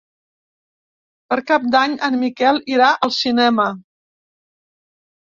Per Cap d'Any en Miquel irà al cinema.